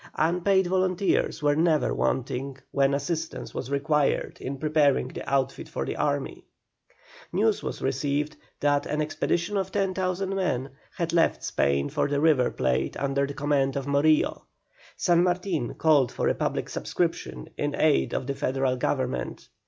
Unpaid volunteers were never wanting when assistance was required in preparing the outfit of the army. News was received that an expedition of 10,000 men had left Spain for the River Plate under the command of Morillo. San Martin called for a public subscription in aid of the general government.